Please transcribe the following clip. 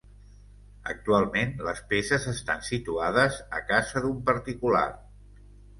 Actualment les peces estan situades a casa d'un particular.